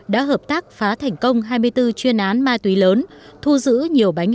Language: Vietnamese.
đã hợp tác phá thành công hai mươi bốn chuyên án ma túy lớn thu giữ nhiều bánh